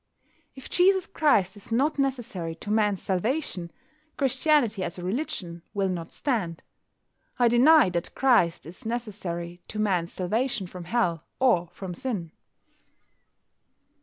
If Jesus Christ is not necessary to Man's "salvation," Christianity as a religion will not stand. I deny that Christ is necessary to Man's salvation from Hell or from Sin.